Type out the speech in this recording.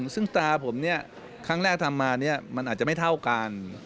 ซึ่งตราผมเนี่ยครั้งแรกทำมามันอาจจะไม่เท่ากัน